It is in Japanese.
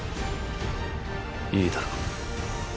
いいだろう。